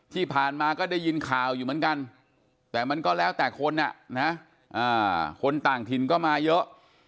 ที่ผ่านมาก็ได้ยินข่าวอยู่เหมือนกันแต่มันก็แล้วแต่คนคนต่างถิ่นก็มาเยอะ